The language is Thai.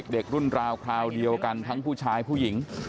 เด็กรุ่นราวคราวเดียวกันทั้งผู้ชายผู้หญิง